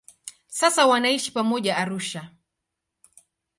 Sasa wanaishi pamoja Arusha.